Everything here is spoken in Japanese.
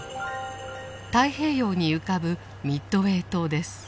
太平洋に浮かぶミッドウェー島です。